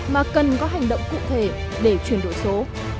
mà cần có hành động cụ thể để chuyển đổi số